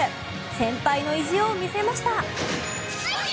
先輩の意地を見せました。